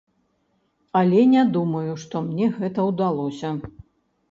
Але не думаю, што мне гэта ўдалося.